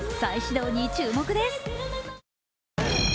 再始動に注目です！